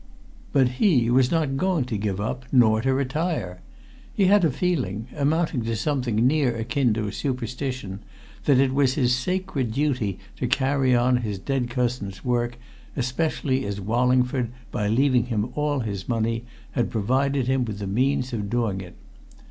But he was not going to give up, nor to retire. He had a feeling, amounting to something near akin to a superstition, that it was his sacred duty to carry on his dead cousin's work, especially as Wallingford, by leaving him all his money, had provided him with the means of doing it.